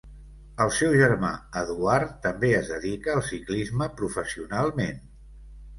El seu germà Eduard també es dedica al ciclisme professionalment.